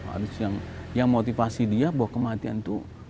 harus yang motivasi dia bahwa kematian itu